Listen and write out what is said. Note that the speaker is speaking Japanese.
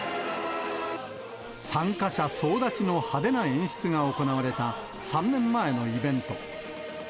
参加者総立ちの派手な演出が行われた３年前のイベント。